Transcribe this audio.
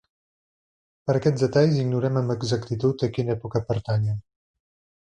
Per aquests detalls ignorem amb exactitud a quina època pertanyen.